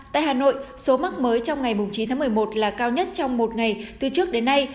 tại hà nội số mắc mới trong ngày chín tháng một mươi một là cao nhất trong một ngày từ trước đến nay